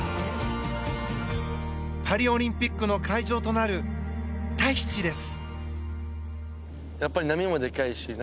パリオリンピックの会場となるタヒチです。